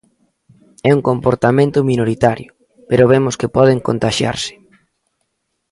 É un comportamento minoritario, pero vemos que poden contaxiarse.